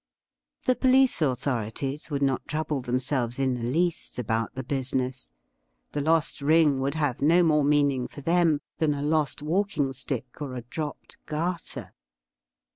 ITie police authorities THE SLAVE OF THE RING 17 would not trouble themselves in the least about the busi ness. The lost ring would have no more meaning for them than a lost walking stick or a dropped garter.